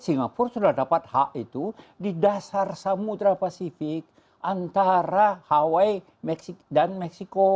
singapura sudah dapat hak itu di dasar samudera pasifik antara hawaii dan meksiko